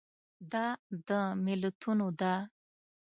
دا د ملتونو ده.